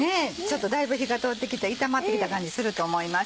だいぶ火が通ってきて炒まってきた感じすると思います